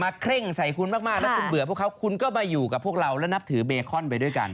เคร่งใส่คุณมากแล้วคุณเบื่อพวกเขาคุณก็มาอยู่กับพวกเราและนับถือเบคอนไปด้วยกัน